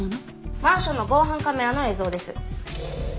マンションの防犯カメラの映像です。